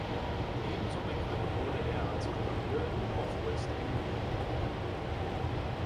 Ebenso bekannt wurde er als Kommandeur im Northwest Indian War.